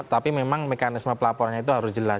tapi memang mekanisme pelaporannya itu harus jelas